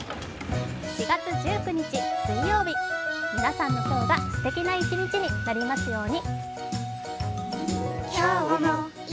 ４月１９日水曜日皆さんの今日がすてきな一日になりますように。